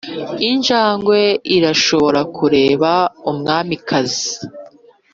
injangwe irashobora kureba umwamikazi